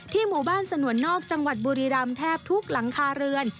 หมู่บ้านสนวนนอกจังหวัดบุรีรำแทบทุกหลังคาเรือน